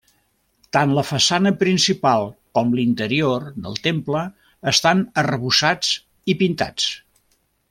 Tant la façana principal com l'interior del temple estan arrebossats i pintats.